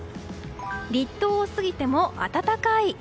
立冬を過ぎても暖かい。